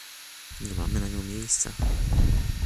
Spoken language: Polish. Nie mamy na nią miejsca